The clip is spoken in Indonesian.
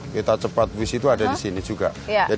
kereta cepat wus itu ada disini juga